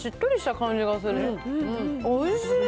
おいしい！